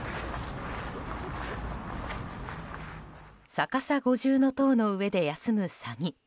逆さ五重塔の上で休むサギ。